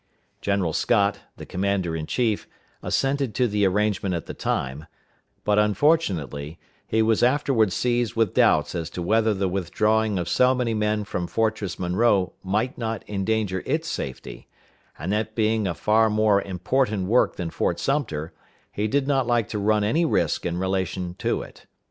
General Scott, the commander in chief, assented to the arrangement at the time; but, unfortunately, he was afterward seized with doubts as to whether the withdrawing of so many men from Fortress Monroe might not endanger its safety; and that being a far more important work than Fort Sumter, he did not like to run any risk in relation to it.